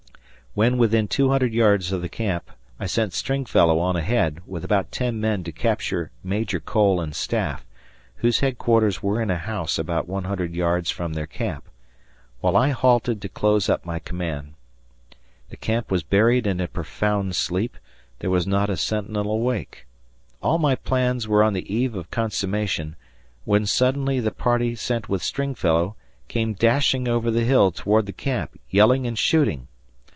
When within 200 yards of the camp, I sent Stringfellow on ahead with about 10 men to capture Major Cole and staff, whose headquarters were in a house about 100 yards from their camp, while I halted to close up my command. The camp was buried in a profound sleep; there was not a sentinel awake. All my plans were on the eve of consummation, when suddenly the party sent with Stringfellow came dashing over the hill toward the camp, yelling and shooting.